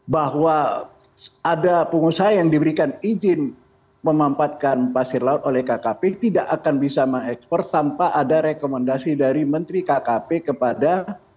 bahwa ada pengusaha yang diberikan izin memampatkan pasir laut oleh kkp tidak akan bisa mengekspor tanpa ada rekomendasi dari menteri kkp kepada